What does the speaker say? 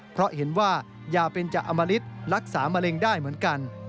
เพราะเห็นว่ายาเบนจะอมริตรักษามะเร็งได้เหมือนกัน